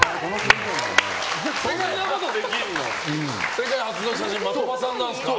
世界初の写真的場さんなんですか。